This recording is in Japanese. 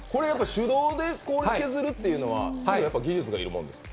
手動で氷を削るっていうのは技術が要るんですか。